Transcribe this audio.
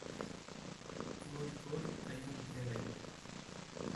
கோடி, கோடி, கைகள் தேவை.